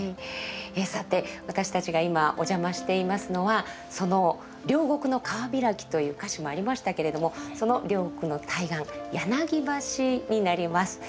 さて私たちが今お邪魔していますのはその「両国の川開き」という歌詞もありましたけれどもその両国の対岸柳橋になります。